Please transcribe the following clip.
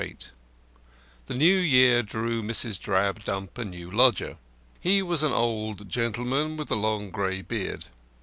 VIII The New Year drew Mrs. Drabdump a new lodger. He was an old gentleman with a long grey beard.